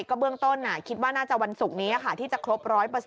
ก็เบื้องต้นคิดว่าน่าจะวันศุกร์นี้ที่จะครบ๑๐๐